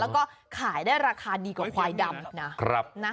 แล้วก็ขายได้ราคาดีกว่าควายดำนะ